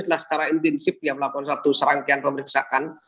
telah secara intensif ya melakukan satu serangkaian pemeriksaan